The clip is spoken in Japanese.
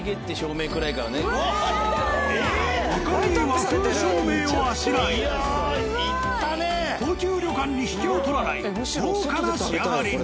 明るい和風照明をあしらい高級旅館に引けを取らない豪華な仕上がりに。